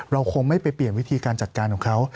เราคงไม่ไปเปลี่ยนวิธีการจัดการของเขา